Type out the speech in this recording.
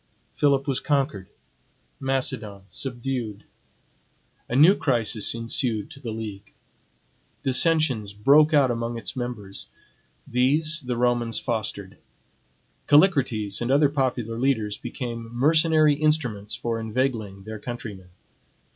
Philip was conquered; Macedon subdued. A new crisis ensued to the league. Dissensions broke out among it members. These the Romans fostered. Callicrates and other popular leaders became mercenary instruments for inveigling their countrymen.